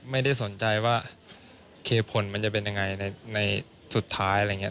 ไม่ได้สนใจว่าเคผลมันจะเป็นยังไงในสุดท้ายอะไรอย่างนี้